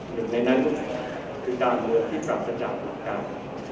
หนึ่งในนั้นคือการเงินที่ปราศจากหลักการ